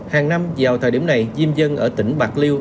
hàng năm vào thời điểm này diêm dân ở tỉnh bạc liêu